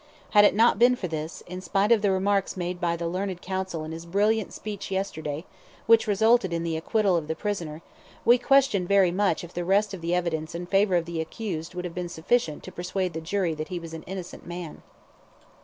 Had it not been for this, in spite of the remarks made by the learned counsel in his brilliant speech yesterday, which resulted in the acquittal of the prisoner, we question very much if the rest of the evidence in favour of the accused would have been sufficient to persuade the jury that he was an innocent man.